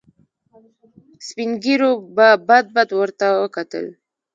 سپين ږيرو به بد بد ورته وکتل.